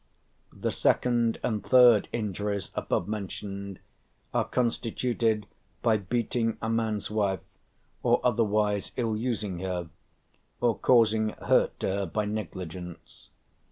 The second and third injuries above mentioned are constituted by beating a man's wife, or otherwise ill using her; or causing hurt to her by negligence.